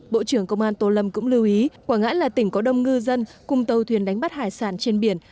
bộ trưởng công an tô lâm cũng lưu ý quảng ngãi là tỉnh có đông ngư dân cùng tàu thuyền đánh bắt hải sản trên biển